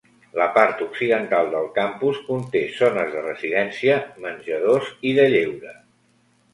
La part occidental del campus conté zones de residència, menjadors i de lleure.